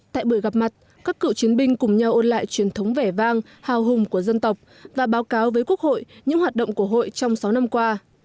tại buổi gặp mặt các cựu chiến binh cùng nhau ôn lại truyền thống vẻ vang hào hùng của dân tộc và báo cáo với quốc hội những hoạt động của hội trong sáu năm qua